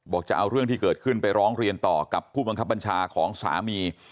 จะเอาเรื่องที่เกิดขึ้นไปร้องเรียนต่อกับผู้บังคับบัญชาของสามี